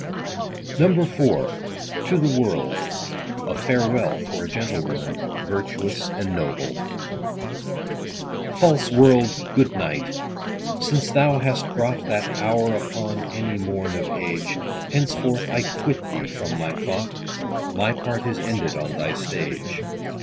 100 IV. — TO THE WORLD. A Farewell for a Gentlewoman, virtuous and noble. False world, good night ! since thou hast brought That hour upon any morn of age, Henceforth I quit thee from my thought, My part is ended on thy stage.